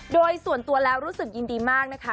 โดยส่วนตัวแล้วรู้สึกยินดีมากนะคะ